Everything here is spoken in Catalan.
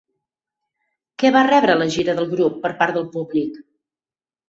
Què va rebre la gira del grup per part del públic?